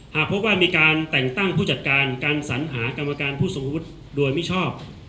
หากพบว่ามีการแต่งตั้งผู้จัดการการสัญหากรรมการผู้สมมุติโดยมิชอบ